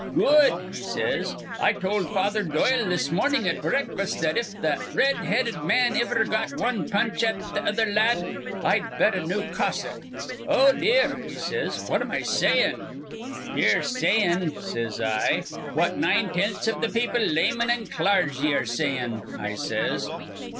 'Good,' he says. 'I told Father Doyle this mornin' at breakfuss that if that red headed man iver got wan punch at th' other lad, I'd bet a new cassock Oh, dear!' he says, 'what am I sayin'?' 'Ye're sayin',' says I, 'what nine tenths iv th' people, laymen an' clargy, are sayin',' I says.